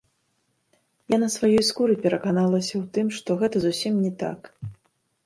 Я на сваёй скуры пераканалася ў тым, што гэта зусім не так.